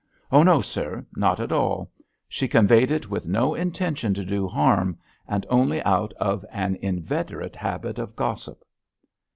"Oh no, sir, not at all; she conveyed it with no intention to do harm, and only out of an inveterate habit of gossip."